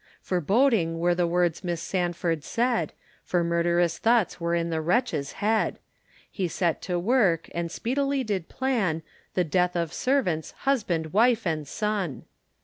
Forboding were the words Miss Sandford said, For murderous thoughts were in the wretch's head. He set to work, and speedily did plan, The death of servants, husband, wife, and son.